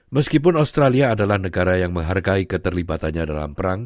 meskipun australia adalah negara yang menghargai keterlibatannya dalam perang